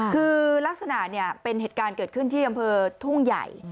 คือลักษณะเป็นเหตุการณ์เกิดขึ้นที่อำเภอทุ่งใหญ่